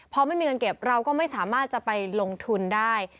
พอไม่มีเงินเก็บเราก็ไม่สามารถจะไปลงทุนได้